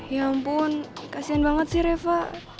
ya ampun kasian banget sih reva